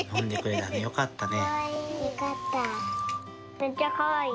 めっちゃかわいい。